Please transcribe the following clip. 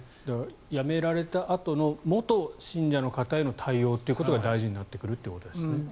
やめられたあとの元信者の方への対応が大事になってくるということですね。